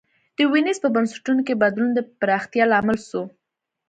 د وینز په بنسټونو کي بدلون د پراختیا لامل سو.